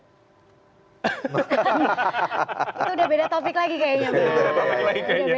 itu udah beda taufik lagi kayaknya